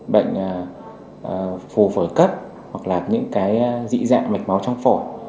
bệnh phù phổi cấp hoặc là những cái dị dạng mạch máu trong phổi